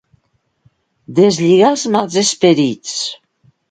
Deslligar els mals esperits.